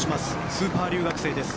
スーパー留学生です。